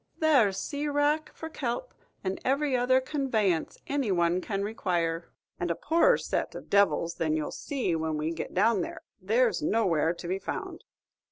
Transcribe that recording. There's sea wrack for kelp, and every other con vanience any one can require; and a poorer set of devils than ye 'll see when we get down there, there's nowhere to be found.